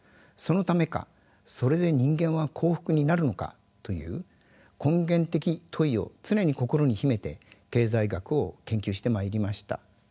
そのためかそれで人間は幸福になるのかという根源的問いを常に心に秘めて経済学を研究してまいりました。